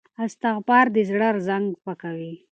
استغفار د زړه زنګ پاکوي.